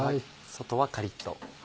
外はカリっと。